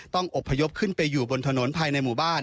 อบพยพขึ้นไปอยู่บนถนนภายในหมู่บ้าน